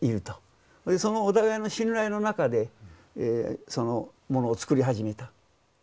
そのお互いの信頼の中でものを作り始めた。